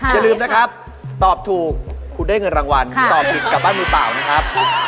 อย่าลืมนะครับตอบถูกคุณได้เงินรางวัลตอบผิดกลับบ้านมือเปล่านะครับ